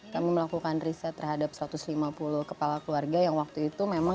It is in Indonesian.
kami melakukan riset terhadap satu ratus lima puluh kepala keluarga yang waktu itu memang